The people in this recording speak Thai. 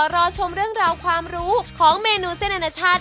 รอชมเรื่องราวความรู้ของเมนูเส้นอนาชาติ